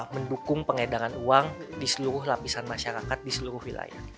mendukung pengedangan uang di seluruh lapisan masyarakat di seluruh wilayah